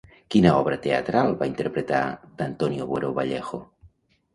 Quina obra teatral va interpretar d'Antonio Buero Vallejo?